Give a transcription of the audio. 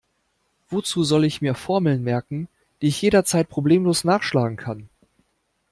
Wozu soll ich mir Formeln merken, die ich jederzeit problemlos nachschlagen kann?